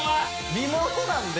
リモートなんで。